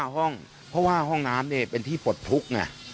ห้องเพราะว่าห้องน้ำเป็นที่ปลดทุกข์ไง